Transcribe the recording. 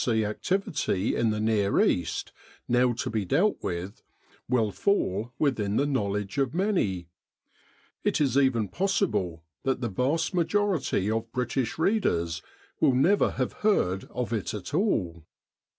C. activity in the Near East now to be dealt with, will fall within the knowledge of many : it is even possible that the vast majority of British readers will never have heard of it at all.